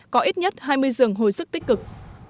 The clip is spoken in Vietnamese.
có ít nhất hai mươi giường hồi sức tích cực